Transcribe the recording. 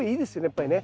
やっぱりね。